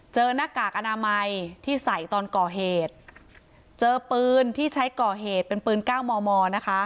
หน้ากากอนามัยที่ใส่ตอนก่อเหตุเจอปืนที่ใช้ก่อเหตุเป็นปืนเก้ามอมอนะคะ